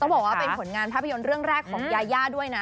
บอกว่าเป็นผลงานภาพยนตร์เรื่องแรกของยาย่าด้วยนะ